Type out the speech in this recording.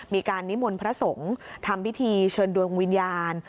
มีการนิมวลพระสงฆ์ทำพิธีเชิญดวงวิญญาณ